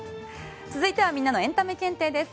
続いてはみんなのエンタメ検定です。